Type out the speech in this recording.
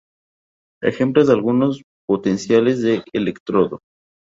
Ejemplos de algunos potenciales de electrodo